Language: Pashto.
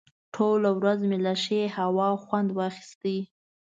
ټوله ورځ مې له ښې هوا خوند واخیست.